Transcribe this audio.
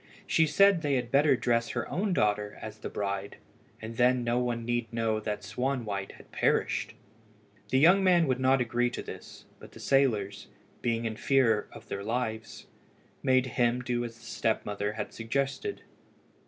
She said they had better dress her own daughter as the bride, and then no one need know that Swanwhite had perished. The young man would not agree to this, but the sailors, being in fear of their lives, made him do as the step mother had suggested.